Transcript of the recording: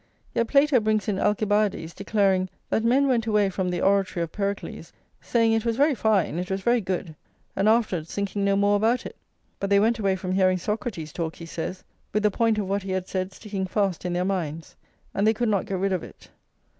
Yet Plato brings in Alcibiades declaring, that men went away from the oratory of Pericles, saying it was very fine, it was very good, and afterwards thinking no more about it; but they went away from hearing Socrates talk, he says, with the point of what he had said sticking fast in their minds, and they could not get rid of it.